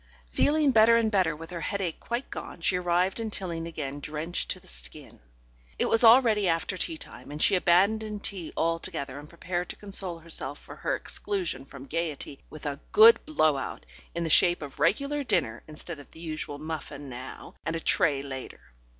Feeling better and with her headache quite gone, she arrived in Tilling again drenched to the skin. It was already after tea time, and she abandoned tea altogether, and prepared to console herself for her exclusion from gaiety with a "good blow out" in the shape of regular dinner, instead of the usual muffin now and a tray later.